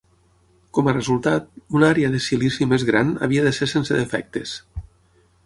Com a resultat, una àrea de silici més gran havia de ser sense defectes.